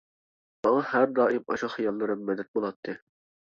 ماڭا ھەر دائىم ئاشۇ خىياللىرىم مەدەت بولاتتى.